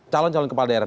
calon calon kepala daerah